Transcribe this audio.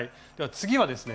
次はですね